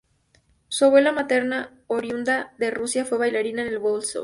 Su abuela materna, oriunda de Rusia, fue bailarina en el Bolshoi.